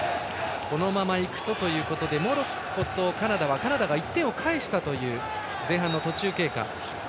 このままいくとということでいうとモロッコとカナダはカナダが１点を返したという前半の途中経過。